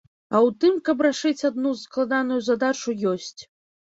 А ў тым, каб рашыць адну складаную задачу, ёсць.